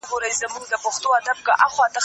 آیا طلا تر اوسپني ګرانه ده؟